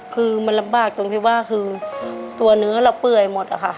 คือมันลำบากตรงที่ว่าคือตัวเนื้อเราเปื่อยหมดอะค่ะ